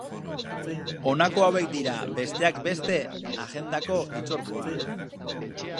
Honako hauek dira, besteak beste, agendako hitzorduak.